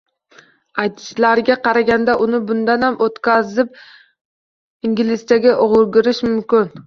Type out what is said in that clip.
Aytishlariga qaraganda, uni bundanam o’tkazib inglizchaga o’girish mumkin.